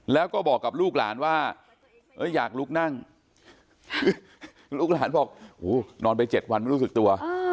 แล้วก็บอกกับลูกหลานว่าอยากลุกนั่งลูกหลานบอกนอนไป๗วันไม่รู้สึกตัว